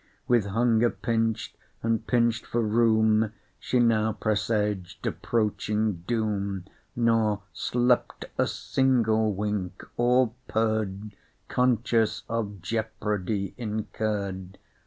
With hunger pinch'd, and pinch'd for room, She now presaged approaching doom, Nor slept a single wink, or purr'd, Conscious of jeopardy incurr'd.